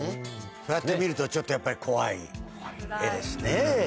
そうやって見るとちょっとやっぱり怖い絵ですね。